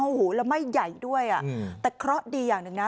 โอ้โหแล้วไหม้ใหญ่ด้วยอ่ะแต่เคราะห์ดีอย่างหนึ่งนะ